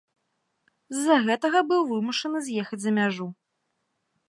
З за гэтага быў вымушаны з'ехаць за мяжу.